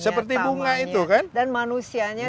seperti bunga itu kan dan manusianya